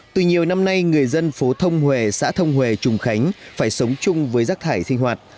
từ nhiều năm nay người dân phố thông hòe xã thông hờ trùng khánh phải sống chung với rác thải sinh hoạt